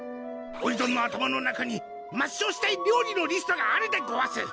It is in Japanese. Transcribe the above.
おいどんの頭の中に抹消したい料理のリストがあるでごわす